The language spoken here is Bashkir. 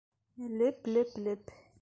— Леп-леп-леп!